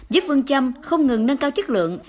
giúp phương châm không ngừng nâng cao chất lượng